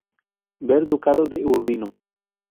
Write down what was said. Ver Ducado de Urbino.